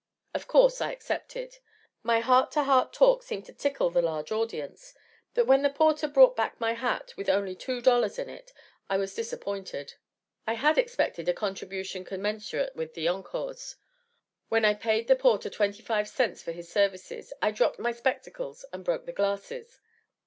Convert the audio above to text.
Of course, I accepted. My "heart to heart" talk seemed to tickle the large audience, but when the porter brought back my hat with only two dollars in it I was disappointed. I had expected a contribution commensurate with the encores. When I paid the porter 25 cents for his services, I dropped my spectacles and broke the glasses.